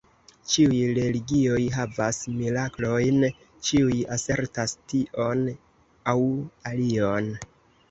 Ĉiuj religioj havas miraklojn, ĉiuj asertas tion aŭ alion.